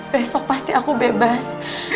besok pasti aku bebas